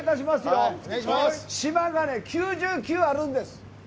島が９９あるんです。